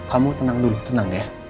kamu tenang dulu tenang ya